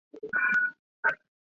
这些岛屿包括苏斯港。